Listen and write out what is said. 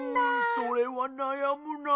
それはなやむなぁ。